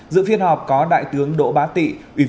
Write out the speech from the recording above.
dự phiên họp có đại tướng đỗ bá tị